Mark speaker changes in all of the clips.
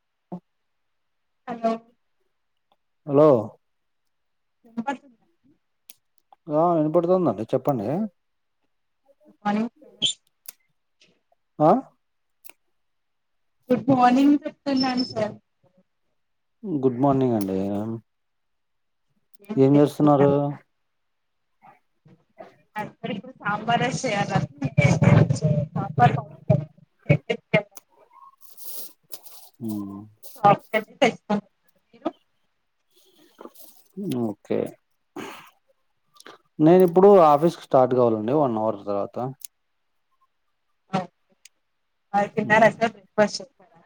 Speaker 1: [inaudible]
Speaker 2: Hello
Speaker 1: hello
Speaker 2: తపది
Speaker 1: ఆ వినపడుతుందండి చెప్పండి
Speaker 2: [inaudible]
Speaker 1: అ
Speaker 2: గుడ్ మార్నింగ్ చెప్తున్నాన్ సార్
Speaker 1: గుడ్ మార్నింగ్ అండి. ఏం చేస్తున్నారు?
Speaker 2: అక్కడి సాబార్రైస్ చే [unintelligible] [unintelligible]
Speaker 1: ఉ
Speaker 2: [inaudible] మీరు?
Speaker 1: ఓకే నేను ఇప్పుడు ఆఫీస్కి స్టార్ట్ కావాలండి వన్ అవర్ తర్వాత
Speaker 2: మరి
Speaker 1: మ్మ్.
Speaker 2: తిన్నారా సార్ బ్రేక్ఫాస్ట్ చేశారా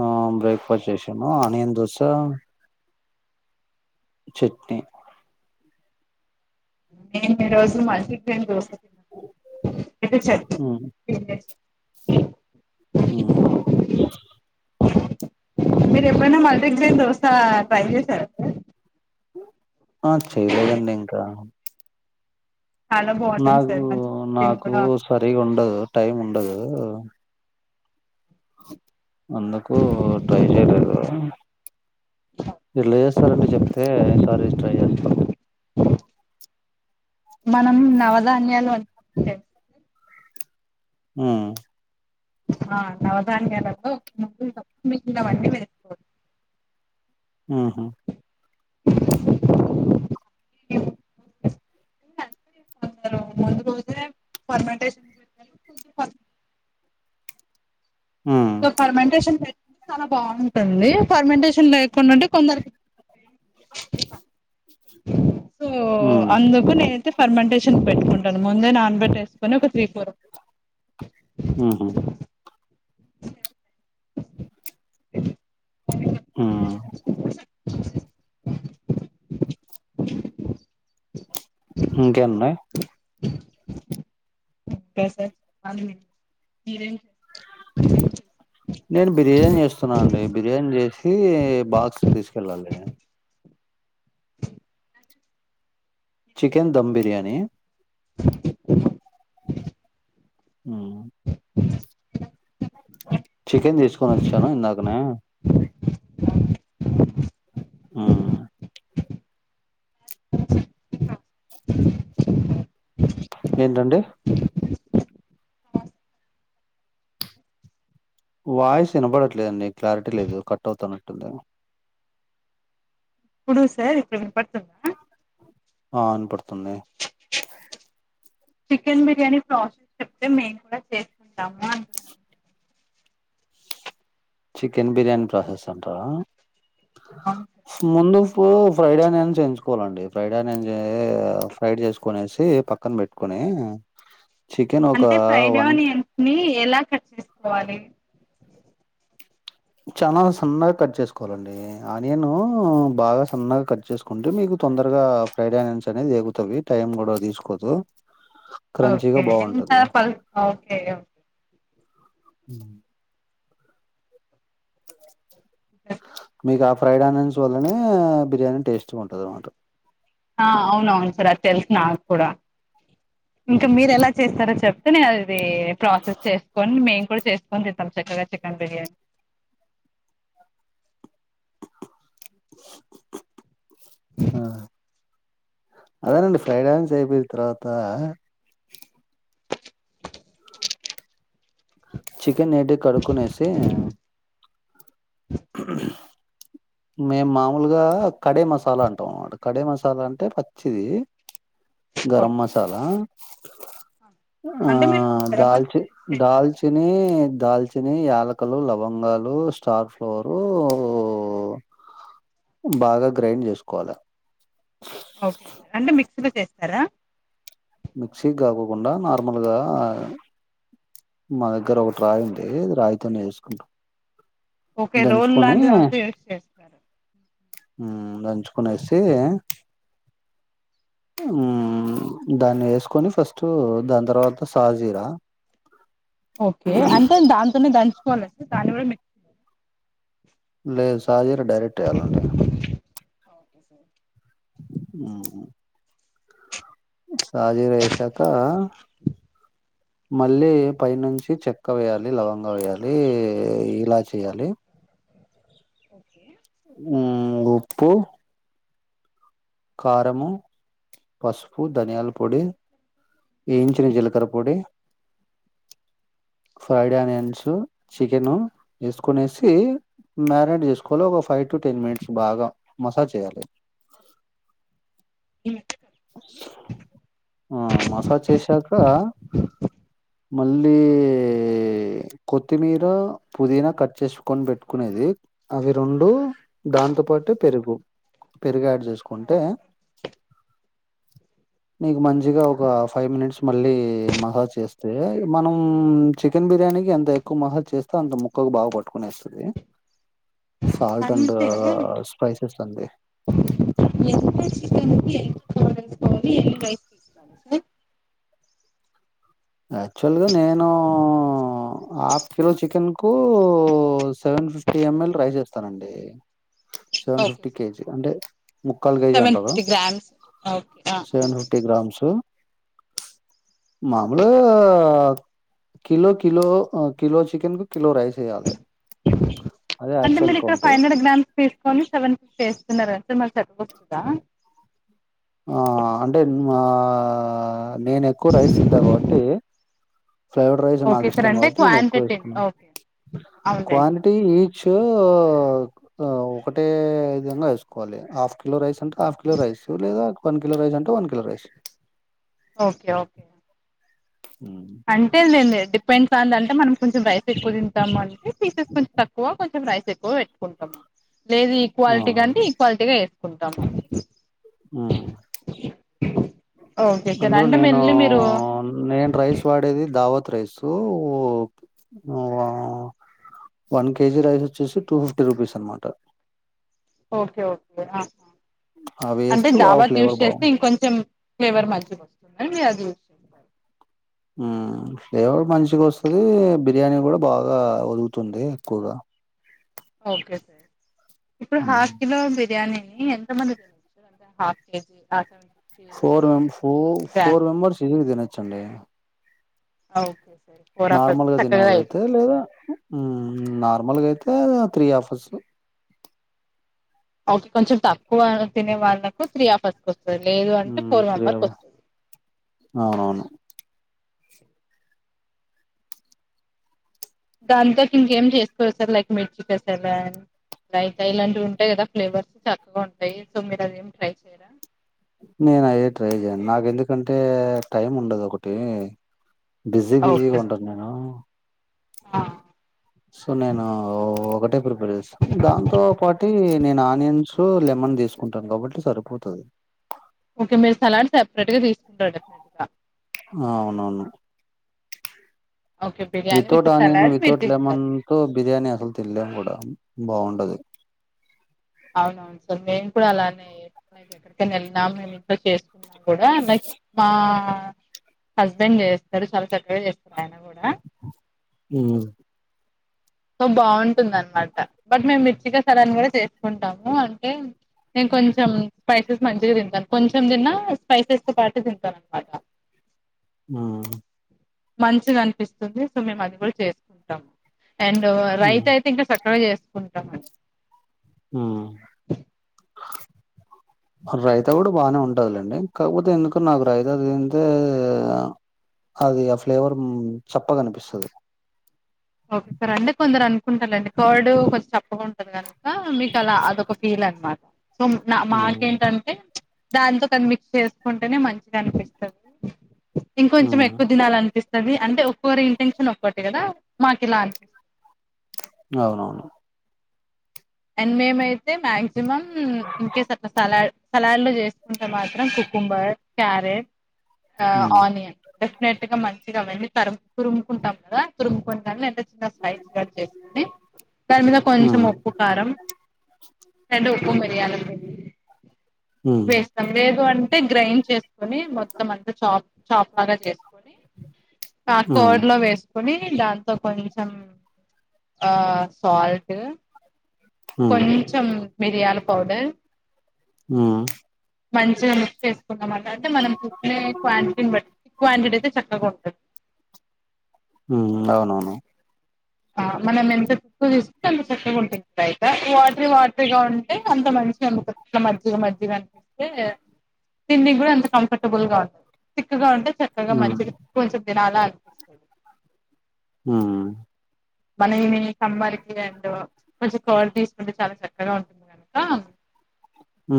Speaker 1: ఆ బ్రేక్ఫాస్ట్ చేశాను ఆనియన్ దోసా చట్నీ
Speaker 2: నేను ఈ రోజు మల్టీ గ్రేన్ దోస తిన్నాను విత్ చట్నీ
Speaker 1: మ్మ్.
Speaker 2: [inaudible]
Speaker 1: మ్మ్.
Speaker 2: మీరు ఎప్పుడైనా మల్టీ గ్రేయిన్ దోస ట్రై చేసారా సార్.
Speaker 1: ఆ చేయలేదండి ఇంకా
Speaker 2: చాలా బాగుంటుంది
Speaker 1: నాకు
Speaker 2: సార్ మంచి ప్రోటీన్
Speaker 1: నాకు
Speaker 2: కూడా
Speaker 1: సరిగా ఉండదు టైం ఉండదు అందుకు ట్రై చేయలేదు. ఎట్ల చేస్తారండి చెప్తే ఇసారి ట్రై చేస్తాను.
Speaker 2: మనం నవధాన్యాలు అని [unintelligible]
Speaker 1: ఉమ్
Speaker 2: ఉమ్ నవధాన్యాలలో ముందు మిగి వన్నీ పెసుకోవాలి
Speaker 1: ఉహా
Speaker 2: [inaudible] పోతలో ముందుక్ ఓతే ఫార్ంటేషన్
Speaker 1: ఉమ్
Speaker 2: సో ఫర్మెంటేషన్ హే చాలా బాగుంటుంది ఫర్మెంటేషన్ లేకుండా ఉంటే కొందరికి సో
Speaker 1: ఉమ్
Speaker 2: అందుకు నేను అయితే పర్మంటేషన్ పెట్టుకుంటాను ముందే నాన్బెట్ వేసుకొని ఒక త్రీ ఫోర్
Speaker 1: ఆహా ఆ ఇంకేన్నాయి
Speaker 2: ఓకే సార్ [unintelligible]
Speaker 1: నేను బిర్యానీ చేస్తున్నా అండి బిర్యానీ చేసీ బాక్స్ తీసుకెళ్ళాలి చికెన్ దమ్ బిర్యానీ హ్మ్. చికెన్ తీసుకొని వచ్చాను ఇందాకనే హా ఏంటండీ వాయిస్ వినబడట్లేదండి క్లారిటీ లేదు కట్ అవుతున్నట్టుంది
Speaker 2: ఎప్పుడు సార్ ఇప్పుడు వినపడుతుందా
Speaker 1: ఆ వినపడుతోంది
Speaker 2: చికెన్ బిర్యానీ ప్రాసెస్ చెప్తే మేము కూడా చేసుకుంటాము అంటున్నాను
Speaker 1: చికెన్ బిర్యాని ప్రాసెస్ అంటవా
Speaker 2: అవును సార్
Speaker 1: ముందు ఇప్పుడు ఫ్రైడ్ ఆనియన్స్ ఏంచుకోవాలండి ఫ్రైడన్ హా ఫ్రైడ్ చేసుకునేసి పక్కన పెట్టుకునే ఇ
Speaker 2: అంటే ఫ్రైడ్ ఆనియన్స్ ని ఎలా కట్ చేసుకోవాలి
Speaker 1: చానా సన్నగా కట్ చేసుకోవాలండి ఆనియను బాగా సన్నగా కట్ చేసుకుంటే మీకు తొందరగా ఫ్రైడ్ ఆనియన్స్ అనేది ఏగుతవి టైమ్ కూడా తీసుకోదు క్రంచీగా
Speaker 2: ఓకే ఎంతా
Speaker 1: బాగుంటది
Speaker 2: ఓకే
Speaker 1: హుమ్
Speaker 2: ఓకే
Speaker 1: మీకు ఆ ఫ్రైడ్ ఆనియన్స్ వల్లనే బిర్యానీ టేస్ట్
Speaker 2: ఆ అవునవును సార్ అది తెలుసు నాకూడా ఇంక మీరేలా చేస్తారో చెప్ నే అది ప్రాసెస్ చేసుకొని మేము కూడా చేసుకొని తింతమ్ చక్కగా చికెన్ బిర్యానీ
Speaker 1: ఆ అదేనండి ఫ్రైడ్ ఆనియన్స్ ఆయిపోయిన తర్వాత చికెన్ నేటి కడుకునేసి మేము మామూలుగా కడే మసాలా అంటాం కడే మసాలా అంటే పచ్చిదీ గరం
Speaker 2: ఓకే
Speaker 1: మాసాల హా
Speaker 2: అంటే మీరు గరం
Speaker 1: దల్చి
Speaker 2: మసాలా యూస్ చేయకుండా
Speaker 1: దల్చినీ చణి యాలకలు లవంగాలు స్టార్ ఫ్లోరూ బాగా గ్రైండ్ చేసుకోవాలే
Speaker 2: ఓకే సార్ అంటే మిక్సిలో చేస్తారా
Speaker 1: మిక్సీ గాకోకుండా నార్మలుగా మా దగ్గర ఒకటి రాయి ఉంది రాయితోని ఏసుకుంటాం
Speaker 2: ఒకె రోల్ లాంటిది అంతాయూస్ చేస్తారు.
Speaker 1: హుమ్ దంచుకునేసి హుమ్మ్ దాన్ని ఏసుకొని ఫస్ట్ దాని తర్వాత సాజీరా
Speaker 2: ఓకే అంటే దానితోనే దంచుకోవాలి దాన్ని కూడా మ
Speaker 1: లేదు సజీర డైరెక్ట్ వేయాలాండీ
Speaker 2: ఒకె సార్
Speaker 1: సాజీర వేసాక మళ్ళీ పై నుంచి చెక్కా వేయాలి, లవంగా వేయాలీ, ఇలాచి ఏయాలీ.
Speaker 2: ఒకే
Speaker 1: హుమ్మ్ ఉప్పు కారము పసుపు, ధనియాలపొడి వేయించిన జీలకరపోడి ఫ్రైడ్ ఆనియన్స్, చికెన్ వేసుకనేసి మ్యారినేట్ చేసుకోలి ఒక ఫైవ్ టు, టెన్ మినిట్స్ బాగా మసాజ్ చేయాలి. ఆ మసాజ్ చేసాక మళ్ళీ కొత్తిమీర, పుదీనా కట్ చేసుకని పెట్టుకునేది అవి రెండు దాంతోపాటు అ పెరుగు పెరుగు యాడ్
Speaker 2: సార్
Speaker 1: చేసుకుంటే
Speaker 2: ఓకే సార్.
Speaker 1: నీకు మంచిగా ఒక ఫైవ్ మినిట్స్ మళ్ళీ మసాజ్ చేస్తే మనం చికెన్ బిర్యానీకి ఎంత ఎక్కువ మసాజు చేస్తే అంత ముక్కకు బాగా పట్టుకునేస్తది. సాల్ట్ అండ్
Speaker 2: అంటే
Speaker 1: స్పైసెస్ అండి
Speaker 2: ఎ చికన్ ఎ ఎవరు తెలుసుకోవాలి రైస్ ఎ
Speaker 1: యాక్చువల్గా నేను హాఫ్ కిలో చికెన్ కు సెవెన్ సె ఫిఫ్టీ ఎం ఎల్ రైస్ ఇస్తానండి seven
Speaker 2: okay
Speaker 1: fifty
Speaker 2: sir
Speaker 1: KG అంటే ముక్కలు కేజీ
Speaker 2: సెవెన్
Speaker 1: అంటారు
Speaker 2: ఫిఫ్టీ గ్రామ్స్ ఓకే ఆ ఆ
Speaker 1: సెవెన్ ఫిఫ్టీ గ్రామ్స్ మా గులో కిలో కిలో చికెన్ కు కిలో రైస్ వేయాలె
Speaker 2: అంటే మీరు ఇక్కడ ఫైవ్ హండ్రెడ్ గ్రామ్స్ తీసుకోని సెవెన్ కి చేస్తున్నారంటే మకు సరిపోతుందా
Speaker 1: ఆ అంటే మా నేను ఎక్కువ రైస్ తిందా కాబట్టి ఫ్రైడ్ రైస్ నాకు
Speaker 2: ఓకే సార్
Speaker 1: ఇష్టం
Speaker 2: అంటే
Speaker 1: కాబట్టి నేను ఎక్కువ
Speaker 2: క్వాంటిటీ
Speaker 1: వేసుకున్నాను.
Speaker 2: ఓకే అవునులేండి
Speaker 1: క్వాంటిటీ
Speaker 2: సార్.
Speaker 1: ఈచ్ ఒ ఒకటే విధంగా వేసుకోవాలి హాఫ్ కిలో రైస్ అంటే హాఫ్ కిలో రైస్ లేదా వన్ కిలో రైస్ అంటే one kilo rice
Speaker 2: okay okay
Speaker 1: హ్మ్.
Speaker 2: అంటే లేండి డిపెండ్స్ ఆ ద అంటే మనం కొంచెం రైస్ ఎక్కువ తింటాము అంటే పీసెస్ కొంచెం తక్కువ కొంచెం రైస్ ఎక్కువ పెట్టుకుంటాం. లేదు ఈక్వాలిటీ కంటే
Speaker 1: అవునవును
Speaker 2: ఈక్వాలిటీగా వేసుకుంటాము.
Speaker 1: ఉమ్
Speaker 2: ఇహ్
Speaker 1: అందులో నేను నేను రైస్ వాడేది దావత్ రైస్ ఉవా వన్ కేజీ రైస్ ఓచ్చేసి టూ ఫిఫ్టీ రూపీస్ అన్నమాట
Speaker 2: ఓకే ఓకే ఆహ
Speaker 1: అవి
Speaker 2: అంటే
Speaker 1: వేస్తే బాగా
Speaker 2: దాబత్ యూస్
Speaker 1: ఫ్లేవర్ బాగుంది
Speaker 2: చేస్తే ఇంకొంచెం ఫ్లేవర్ మాంచి వస్తుంది మీ అది విషయం
Speaker 1: ఫ్లేవర్ మంచిగా వస్తది బిర్యానీ కూడా బాగా వడుకుతుంది ఎక్కువగా
Speaker 2: ఓకే సార్ ఇప్పుడు
Speaker 1: ఉమ్.
Speaker 2: హాఫ్ కిలో బిర్యానీ ఎంత మంది తింటారు హాఫ్ కేజీ ఫిఫ్టీ
Speaker 1: ఫోర ఫో
Speaker 2: గ్రామ్
Speaker 1: ఫోర్ మెంబర్స్ ఈజీగా తినోచ్చండి
Speaker 2: ఆ ఓకే అండి
Speaker 1: నార్మల్ గా తినే వాళ్ళ అయితే లేదా ఉమ్ నార్మల్గా అయితే త్రీ హాఫర్స్
Speaker 2: ఓక కొంచెం తక్కువ తినే వాళ్ళకు త్రీ ఆఫర్స్ ఓస్ లేదు అంటే
Speaker 1: హ్మ్
Speaker 2: ఫోర్
Speaker 1: త్రీ
Speaker 2: మెంబర్స్
Speaker 1: అవర్స్
Speaker 2: వస్తుంది
Speaker 1: అవునవును
Speaker 2: దాంతోటి ఇంకేం చేసుకోవచ్చు సార్ లైక్ మిర్చి కసాల రైతాయి లాంటివి ఉంటాయి కదా ఫ్లేవర్స్ చక్కగా ఉంటాయి సో మీరు అదేమి ట్రై చేయరా
Speaker 1: నేను అయి ట్రై చేయంను నాకు ఎందుకంటే టైం ఉండదు ఒకటి బిజీ బిజీగా ఉంటాను నేను
Speaker 2: ఆ
Speaker 1: సో నేను ఒకటే ప్రిపేర్ చేస్తాను దాంతో పాటి నేను ఆనియన్స్ లెమన్ తీసుకుంటాం కాబట్టి సరిపోతది
Speaker 2: ఓకే మీరు సలాడ్ సెపరేట్ గా తీసుకుంటారు డెఫ్నెట్ గా
Speaker 1: ఆ అవునవును
Speaker 2: okay biryani with
Speaker 1: without onion
Speaker 2: salad మీరు
Speaker 1: వితౌట్
Speaker 2: తింటారు.
Speaker 1: లెమన్తో బిర్యానీ అసలు తినలేం కూడా బాగుండది
Speaker 2: అవునవును సార్ మేము కూడా అలానే లైక్ ఎక్కడికైనా వెళ్ళినా మేము ఇంట్లో చేసుకున్నా కూడా లైక్ మా హస్బెండ్ చేస్తారు చాలా చక్కగా చేస్తరు ఆయన కూడా
Speaker 1: ఉమ్
Speaker 2: సో బాగుంటుంది అనమాట బట్ మేము మిర్చికసలాన్ని కూడా చేసుకుంటాము అంటే నేను కొంచెం స్పైసెస్ మంచిగా తింటాను కొంచెం తిన్నా స్పైసెస్తో పాటు తింటాను అనమాట [inaudible]
Speaker 1: ఆ
Speaker 2: మంచిగా అనిపిస్తుంది సో మేము అది కూడా చేసుకుంటాము అండ్ రైతా అయితే ఇంకా చక్ క్కగా చేసుకుంటామండి
Speaker 1: ఉమ్
Speaker 2: [inaudible]
Speaker 1: రైతా కూడా బానే ఉంటంది లేండి కాకపోతే ఎందుకో నాకు రైత తింటే అది ఆ ఫ్లేవర్ చప్పగనిపిస్తది
Speaker 2: ఓకే సార్ అంటే కొందరు అనుకుంటారుండి కర్డ్ కొంచం చెప్పగాంటది కనుక మీకు అలా అదొక ఫీల్ లనమాట సో నా మాటెంటంటే దాంతో కానీ మిక్స్ చేసుకుంటేనే మంచిగా అనిపిస్తది ఇంకొంచెం ఎక్కువ దినాల అనిపిస్తది అంటే ఒక్కొరి ఇంటెన్షన్ ఒక్కటి కదా మాకిలన్
Speaker 1: అవునవును
Speaker 2: అండ్ మేమ్ అయితే maximum in case at salad salad లో చేసుకుంటే మాత్రం కుకుంబర్ క్యారెట్ ఆ ఆనియన్ డెఫినెట్ గా మంచిగాఅవన్నీ తరుము తురుముకుంటాం కదా తురుముకునినింటే స్లైసెస్ చేసుకోని దాని మీద కొంచెం ఉప్పు కారం తెల ఉప్పు మరియాలు పుడి వేస్తాం లేదు అంటే గ్రైండ్ చేసుకోని మొత్తం అంతా చా చాప లాగా చేస్తం త కోడ్ లో వేస్ కొని దాంతో కొంచెం ఆ సాల్ట్ కొంచం మిరియాల పౌడర్
Speaker 1: ఆ
Speaker 2: మంచిగ మిక్స్ చేస్ స్కున్నం అంటే మనం చూసుకునే క్వాంటిటీ బట్టి క్వాంటిటీ అయితే చక్కగా ఉంటుంది
Speaker 1: ఉ అవునవును
Speaker 2: ఆ మనం ఎంత తక్కువ తీసుకుంటే అంత చక్కగా ఉంటుంది అయితే వాట వా గా ఉంటే అంత మంచిగ నమ్ముట్లా మజ్జిగా మజ్జిగ అనిపిస్తే తిన్నిక్ కూడ అంత కంఫర్టబుల్ గా ఉంటుంది చిక్కగా ఉంటే చక్కగా మంచిది కొంచెం దినాలా పిస్త
Speaker 1: ఉ
Speaker 2: మన ఇని కంబాలకి అండ్ కొంచెం క్పాంటి తీసుకుంటే చాలా చక్కగా ఉంటుంది ఆ
Speaker 1: హ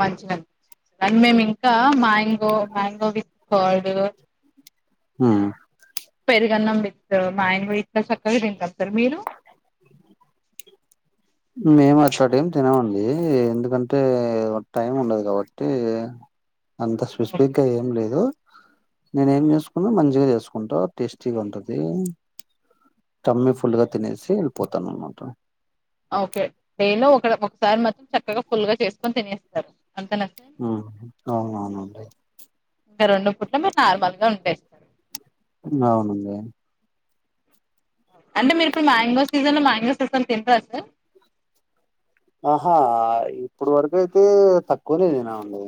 Speaker 2: మంచిగ అనిపిస్త అండ్ మేము ఇంక మ్యాంగో మ్యాంగో విత్ కర్డ్
Speaker 1: మ్
Speaker 2: పెరుగన్నం విత్ మ్యాంగో ఆయన ఎంత చక్కగ తింటారో మరి మీరు
Speaker 1: [inaudible] మేము అట్లంటివి ఏం తినమండి ఎందుకంటే టైం ఉండదు కాబట్టి అంత
Speaker 2: ఓకే
Speaker 1: స్పెసిఫిక్గా
Speaker 2: సార్
Speaker 1: ఏం లేదు నేను ఏం చేసుకున్న మంచిగా చేసుకుంటా టేస్టీగా ఉంటది కమ్మి ఫుల్ గా
Speaker 2: ఓకే
Speaker 1: తినేసి
Speaker 2: సార్
Speaker 1: వెళ్ళిపోతాను అనమాట
Speaker 2: ఓకే డైలో ఒక ఒకసారి మాత్రం చక్కగా ఫుల్ గా చేసుకొని తినేస్తారు అంతేనా సార్
Speaker 1: మ్ అవునవునండి
Speaker 2: ఇంకా రెండు పుట్టలు మీరు నార్మల్గా ఉంటయి
Speaker 1: అవును ఉంది
Speaker 2: అంటే మీరు ఇప్పుడు మ్యాంగో సీజన్లో మ్యాంగోస్ అసలు తినరా సార్
Speaker 1: ఆహ ఇప్పుడు వరకు అయితే తక్కువనె తినా అండి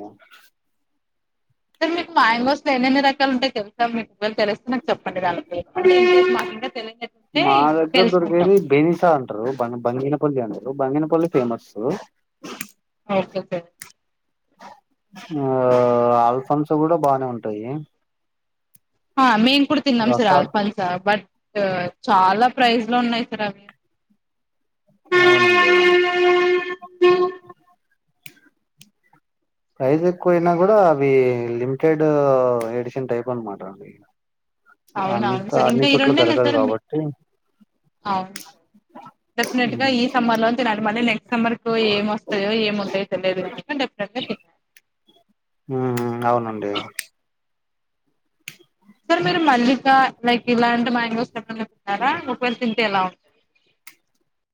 Speaker 2: సార్ మీకు మ్యాగోస్ ఎన్నెన్ని రకాలు ఉంట యో తెలుసా మీకు తెలిస్తే నాకు చెప్పండి అా
Speaker 1: మా దగ్గర
Speaker 2: తెలుసుకుంటాం
Speaker 1: దొరికేది బెనిసా అంటారు బ బంగిన పల్లి అండి బంగనపల్లి ఫేమస్
Speaker 2: కోస్ కల్తె
Speaker 1: ఆ అల్ఫమ్స్ కూడ బానే ఉంటాయి
Speaker 2: ఆ మేమ్ కూడా తిన్నాం సార్
Speaker 1: రసార్
Speaker 2: అల్పమ్స్ బట్ చాల ప్రైస్్ లో ఉన్నాయి సార్ అవి
Speaker 1: అవునండి అవును ప్రైజ్ లు ఎక్కువయినా కూడ అవి లిమిటెడ్ ఎడిషన్ టైప్ అనమాట అండి
Speaker 2: అవున అవును
Speaker 1: అంత
Speaker 2: సార్ ఇంక
Speaker 1: అన్ని
Speaker 2: ఈ
Speaker 1: చోట్ల
Speaker 2: రెండే లే
Speaker 1: దొరకదు
Speaker 2: సార్
Speaker 1: కాబట్టి
Speaker 2: అవును సార్ డెఫినెట్ గా
Speaker 1: ఉమ్,
Speaker 2: ఈ సమ్మర్ లోన నె తినాలి మళ్ళీ నెక్స్ట్ ఎ సమ్మర్ కు ఏం వస్తాయో ఏమి ఉంటాయో తెలియదు కనుక డెఫినెట్ గా
Speaker 1: మ్ అవునండి
Speaker 2: సార్ మీరు మల్లిక లైక్ ఇలాంటి మ్యాంగోస్ ఎ తన్నారా ముపేరు తింటే ఎలా ఉంట [unintelligible]